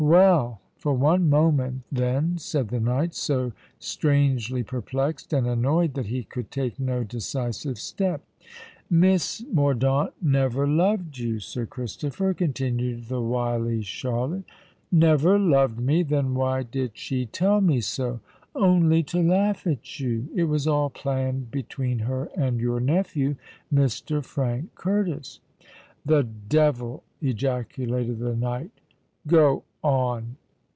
"Well—for one moment, then," said the knight, so strangely perplexed and annoyed that he could take no decisive step. "Miss Mordaunt never loved you, Sir Christopher," continued the wily Charlotte. "Never loved me! Then why did she tell me so?" "Only to laugh at you. It was all planned between her and your nephew Mr. Frank Curtis——" "The devil!" ejaculated the knight. "Go on."